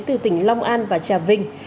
từ tỉnh long an và trà vinh